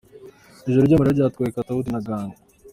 Ijoro ry’amarira ryatwaye Katauti na Gangi.